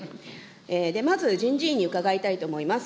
まず人事院に伺いたいと思います。